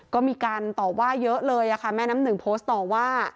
ก็มีการตอบว่าเยอะเลยค่ะแม่น้ำหนึ่งโพสต์ต่อว่า